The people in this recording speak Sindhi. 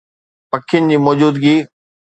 پکين جي موجودگي